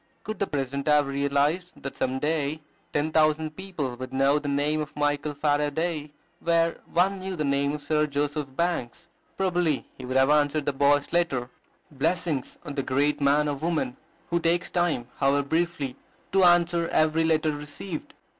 Could the president have realized that some day ten thousand people would know the name of Michael Faraday where one knew the name of Sir Joseph Banks, probably he would have answered the boy's letter. Blessings on the great man or woman who takes time, however briefly, to answer every letter received!